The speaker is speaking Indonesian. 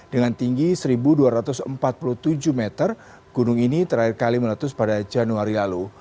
dengan tinggi satu dua ratus empat puluh tujuh meter gunung ini terakhir kali meletus pada januari lalu